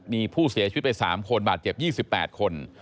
มีผู้เสียชีวิตไป๓คนบาดเจ็บ๒๘คน